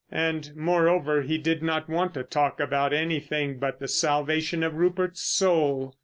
And, moreover, he did not want to talk about anything but the salvation of Rupert's soul.